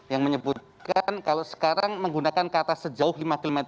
yang menyebutkan kalau sekarang menggunakan kata sejauh lima km